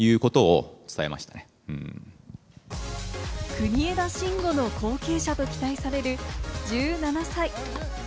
国枝慎吾の後継者と期待される１７歳。